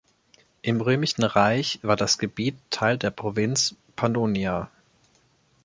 Im Römischen Reich war das Gebiet Teil der Provinz Pannonia.